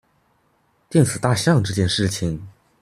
電死大象這件事情